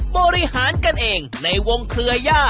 บริหารกันเองในวงเครือย่า